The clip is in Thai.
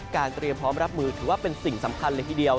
เตรียมพร้อมรับมือถือว่าเป็นสิ่งสำคัญเลยทีเดียว